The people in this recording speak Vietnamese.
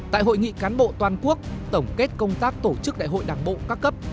tại hội nghị cán bộ toàn quốc tổng kết công tác tổ chức đại hội đảng bộ các cấp